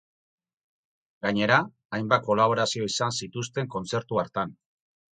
Gainera, hainbat kolaborazio izan zituzten kontzertu hartan.